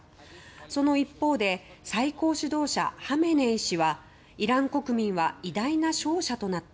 その一方で最高指導者ハメネイ師はイラン国民は偉大な勝者となった。